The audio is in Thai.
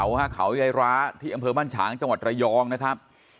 กลางภูเขาโข่ไยร้าที่อำเภอมั่นฉางจังหวัดไร๋องนะครับ